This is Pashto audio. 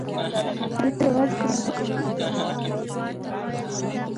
هغه د اصفهان له خلکو څخه د مالیې غوښتنه وکړه.